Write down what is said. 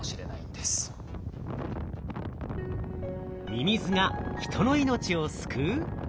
ミミズが人の命を救う？